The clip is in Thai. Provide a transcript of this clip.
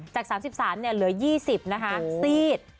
จาก๓๓เนี่ยเหลือ๒๐นะคะซีด